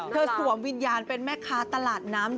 สวมวิญญาณเป็นแม่ค้าตลาดน้ำ